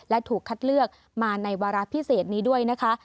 และถูกคัดเลือกมาในวาระพิเศษนี้ด้วยนะคะ